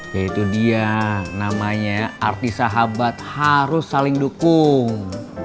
ya itu dia namanya arti sahabat harus saling dukung